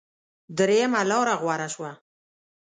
درېمه لاره غوره شوه.